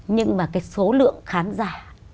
nhưng mà cái số lượng khán giả